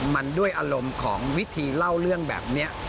มันด้วยอารมณ์ของวิธีเล่าเรื่องแบบนี้